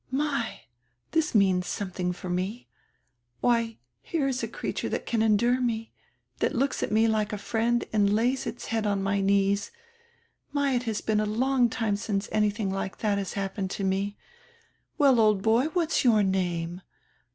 "My, this means something for me. Why, here is a creature drat can endure me, diat looks at me like a friend and lays its head on my knees. My, it has been a long time since anything like that has happened to me. Well, old boy, what's your name?